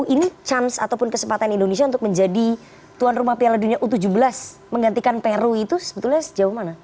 ini chance ataupun kesempatan indonesia untuk menjadi tuan rumah piala dunia u tujuh belas menggantikan peru itu sebetulnya sejauh mana